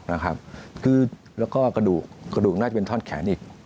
แล้วก็กระดูกน่าจะเป็นท่อนแขนอีก